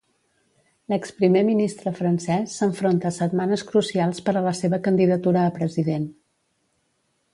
L'exprimer ministre francès s'enfronta a setmanes crucials per a la seva candidatura a president.